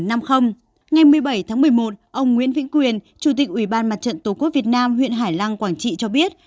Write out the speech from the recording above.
ngày một mươi bảy tháng một mươi một ông nguyễn vĩnh quyền chủ tịch ủy ban mặt trận tổ quốc việt nam huyện hải lăng quảng trị cho biết